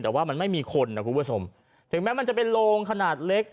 แต่ว่ามันไม่มีคนนะคุณผู้ชมถึงแม้มันจะเป็นโลงขนาดเล็ก